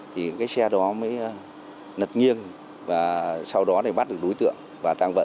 thì cái xe đó mới nật nghiêng và sau đó bắt được đối tượng và thu được tăng vật